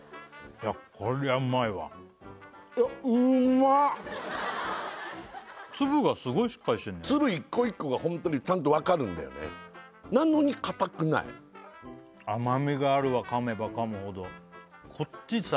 いやこりゃうまいわ粒がすごいしっかりしてる粒一個一個が本当にちゃんとわかるんだよねなのに硬くない甘みがあるわかめばかむほどこっちさ